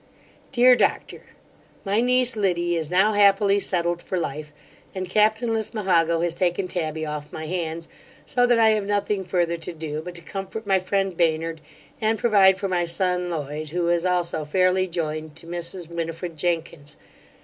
DEAR DOCTOR, My niece Liddy is now happily settled for life; and captain Lismahago has taken Tabby off my hands; so that I have nothing further to do, but to comfort my friend Baynard, and provide for my son Loyd, who is also fairly joined to Mrs Winifred Jenkins.